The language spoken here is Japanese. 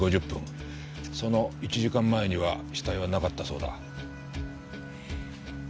その１時間前には死体はなかったそうだ。